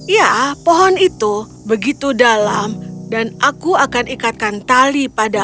ya pohon itu begitu dalam dan aku akan ikatkan tali pada